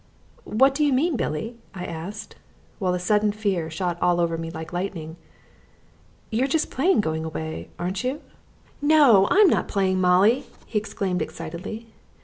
"What do you mean, Billy?" I asked, while a sudden fear shot all over me like lightning. "You're just playing go away, aren't you?" "No, I'm not playing, Molly!" he exclaimed excitedly.